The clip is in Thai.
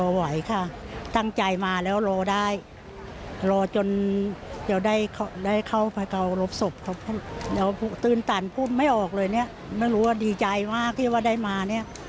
ฮิ้นฮิ้น่รู้ว่าดีใจมากที่ว่าได้มา